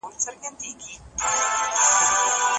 ما پلونه د اغیار دي پر کوڅه د یار لیدلي